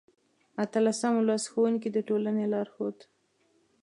اتلسم لوست: ښوونکی د ټولنې لارښود